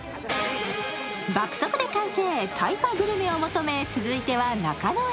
爆速で完成、タイパグルメを求め続いては中野へ。